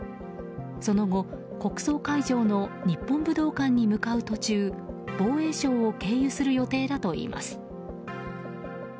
その後、国葬会場の日本武道館に向かう途中防衛省を経由する予定だといいます。